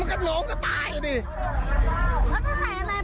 ไม่เอาผสมันเลย